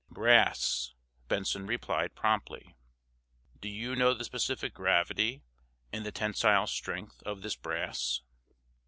"Brass," Benson replied, promptly. "Do you know the specific gravity and the tensile strength of this brass?"